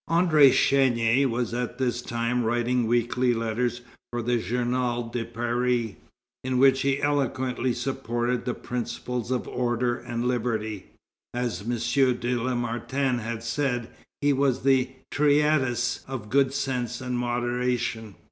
André Chénier was at this time writing weekly letters for the Journal de Paris, in which he eloquently supported the principles of order and liberty. As M. de Lamartine has said, he was the Tyrtæus of good sense and moderation.